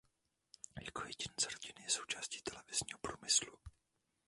Jako jediný z rodiny je součástí televizního průmyslu.